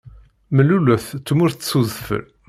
Mellulet tmurt s udfel.